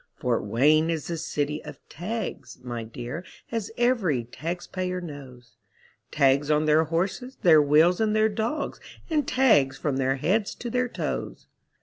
Fort Wayne is the city of "tags," my dear, As every taxpayer knows; Tags on their horses, their wheels, and their dogs, And tags from their heads to their toes.